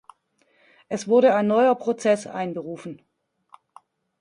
Es wurde ein neuer Prozess einberufen.